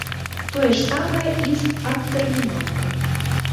Тое ж самае і з адтэрміноўкай.